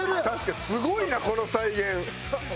確かにすごいなこの再現。